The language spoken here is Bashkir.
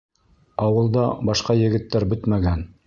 Ауылда башҡа егеттәр бөтмәгән.